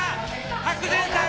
白善さん